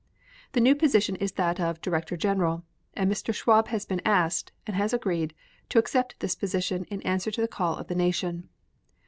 The new position is that of Director General and Mr. Schwab has been asked, and has agreed, to accept this position in answer to the call of the nation.